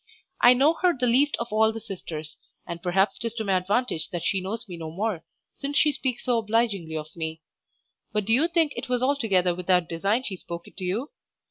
I know her the least of all the sisters, and perhaps 'tis to my advantage that she knows me no more, since she speaks so obligingly of me. But do you think it was altogether without design she spoke it to you?